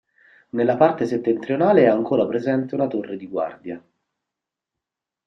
Nella parte settentrionale è ancora presente una torre di guardia.